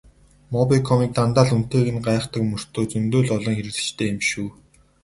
Мобикомыг дандаа л үнэтэйг нь гайхдаг мөртөө зөндөө л олон хэрэглэгчтэй юм биш үү?